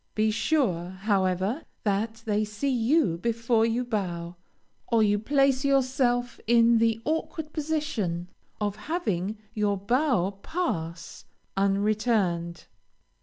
Be sure, however, that they see you before you bow, or you place yourself in the awkward position of having your bow pass, unreturned.